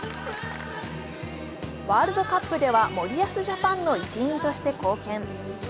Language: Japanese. ワールドカップでは森保ジャパンの一員として貢献。